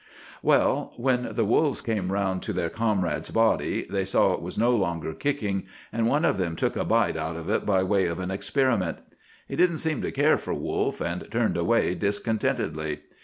"Well, when the wolves came round to their comrade's body, they saw it was no longer kicking, and one of them took a bite out of it as if by way of an experiment. He didn't seem to care for wolf, and turned away discontentedly.